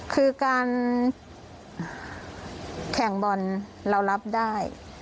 คือการแข่งบอลเรารับได้